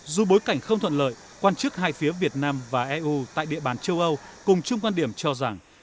dù bối cảnh không thuận lợi quan chức hai phía việt nam và eu tại địa bàn châu âu cùng chung quan điểm cho rằng